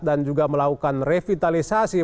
dan juga melakukan revitalisasi